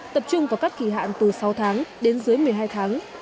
tập trung vào các kỳ hạn từ sáu tháng đến dưới một mươi hai tháng